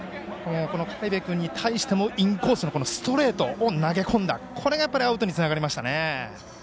苅部君に対してもインコースのストレートを投げ込んだ、これがアウトにつながりましたね。